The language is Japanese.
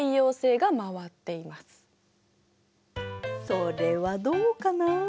それはどうかな？